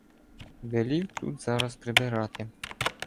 Велів тут зараз прибирати